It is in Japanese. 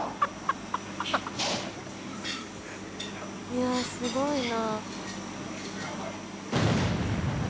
いやすごいな。